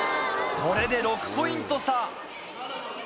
これで６ポイント差。